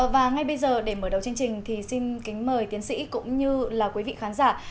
và ngay bây giờ để mở đầu chương trình thì xin kính mời tiến sĩ cũng như là quý vị khán giả